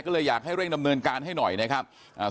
ก็เลยอยากให้เร่งดำเนินการให้หน่อยนะครับอ่า